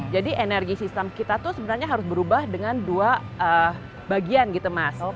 jadi energi sistem kita tuh sebenarnya harus berubah dengan dua bagian gitu mas